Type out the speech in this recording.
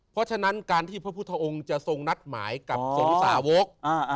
เพราะฉะนั้นการที่พระพุทธองค์จะทรงนัดหมายกับสนุสาวก